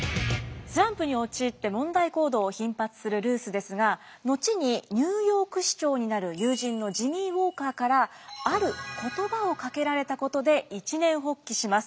スランプに陥って問題行動を頻発するルースですが後にニューヨーク市長になる友人のジミー・ウォーカーからある言葉をかけられたことで一念発起します。